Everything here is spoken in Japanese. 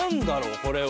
これは。